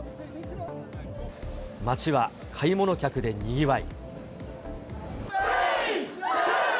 街は買い物客でにぎわい。